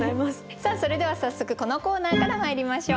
さあそれでは早速このコーナーからまいりましょう。